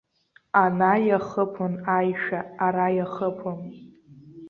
Ана иахыԥон аишәа, ара иахыԥон.